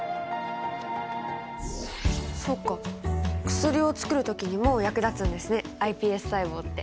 薬をつくる時にも役立つんですねｉＰＳ細胞って。